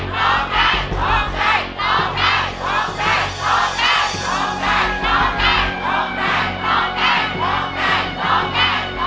ร้องได้ร้องได้ร้องได้ร้องได้